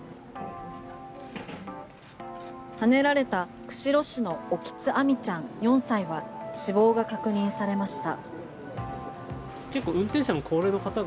はねられた釧路市の沖津亜海ちゃん４歳は死亡が確認されました。